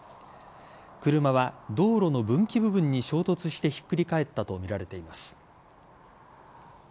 車は道路の分岐部分に衝突してひっくり返ったとみられています。